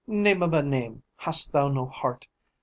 Name of a name, hast thou no heart?